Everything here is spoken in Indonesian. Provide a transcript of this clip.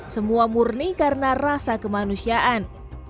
semua murni karena rasa kemanusiaan